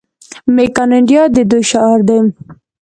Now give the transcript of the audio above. میک ان انډیا د دوی شعار دی.